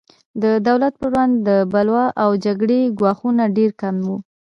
د دولت پر وړاندې د بلوا او جګړې ګواښونه ډېر کم وو.